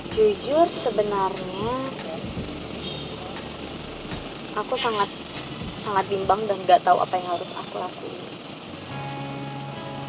jujur sebenarnya aku sangat bimbang dan gak tahu apa yang harus aku lakuin